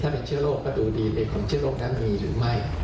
ถ้าเป็นเชื้อโรคก็ดูดีในผลเชื้อโรคนั้นมีหรือไม่